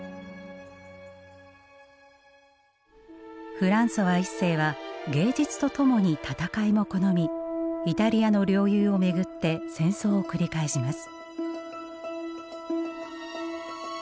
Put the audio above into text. フランソワ一世は芸術とともに戦いも好みイタリアの領有を巡って戦争を繰り返します。